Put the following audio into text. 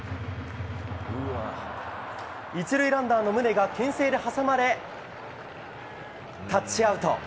１塁ランナーの宗が牽制で挟まれタッチアウト。